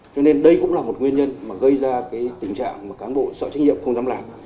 cho nên đây cũng là một nguyên nhân gây ra tình trạng cán bộ sợ trách nhiệm không dám làm